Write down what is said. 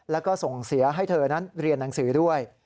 แล้วก็ส่งเสียให้เธอนั้นเรียนหนังสือด้วย